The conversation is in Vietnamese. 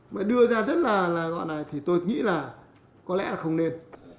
mà đưa ra rất là gọi này thì tôi nghĩ là có lẽ là không nên